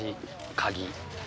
鍵？